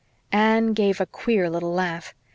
Anne gave a queer little laugh.